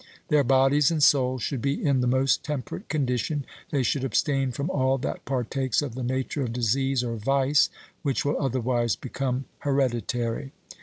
Their bodies and souls should be in the most temperate condition; they should abstain from all that partakes of the nature of disease or vice, which will otherwise become hereditary.